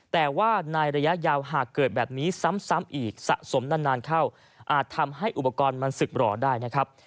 แต่ว่าในระยะยาวหากเกิดแบบนี้ซ้ำอีกสะสมนานเข้าอาจทำให้อุปกรณ์มันสึกรอได้นะครับ